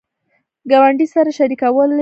ګاونډي سره شریکوالی خیر لري